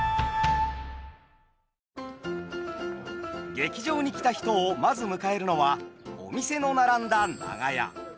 劇場に来た人をまず迎えるのはお店の並んだ長屋。